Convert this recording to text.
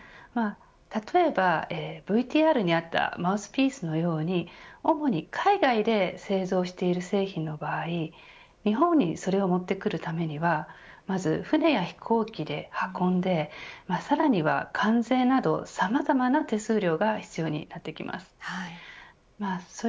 例えばＶＴＲにあったマウスピースのように主に海外で製造している製品の場合日本にそれを持ってくるためにはまず船や飛行機で運んでさらには関税などさまざまな手数料が必要になってきます。